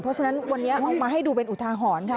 เพราะฉะนั้นวันนี้เอามาให้ดูเป็นอุทาหรณ์ค่ะ